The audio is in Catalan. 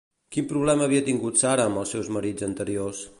Quin problema havia tingut Sara amb els seus marits anteriors?